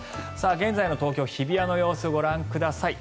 現在の東京・日比谷の様子ご覧ください。